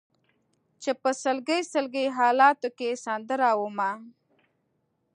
چې په سلګۍ سلګۍ حالاتو کې سندره ومه